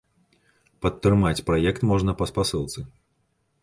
Падтрымаць праект можна па спасылцы.